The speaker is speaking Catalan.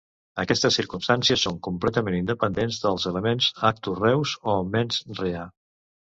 Aquestes circumstàncies són completament independents dels elements "actus reus" o "mens rea".